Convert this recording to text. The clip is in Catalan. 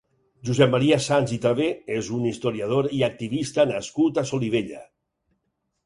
Josep Maria Sans i Travé és un historiador i arxivista nascut a Solivella.